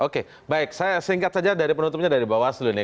oke baik saya singkat saja dari penutupnya dari bawaslu nih